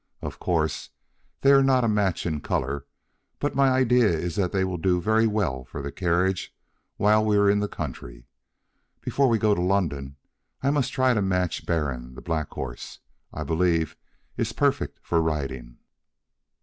Of course they are not a match in color, but my idea is that they will do very well for the carriage while we are in the country. Before we go to London I must try to match Baron; the black horse, I believe, is perfect for riding."